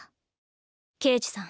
刑事さん。